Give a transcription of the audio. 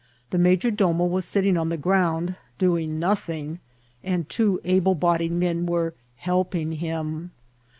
The raa}or dMno was sitting on the ground doing nothing, and two able bodied men were helping him.